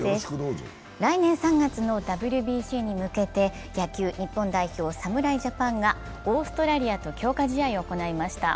来年３月のＷＢＣに向けて、野球日本代表・侍ジャパンがオーストラリアと強化試合を行いました。